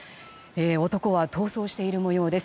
男は逃走している模様です。